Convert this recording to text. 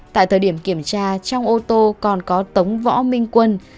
tại thời điểm kiểm tra trong ô tô còn có tống võ minh quân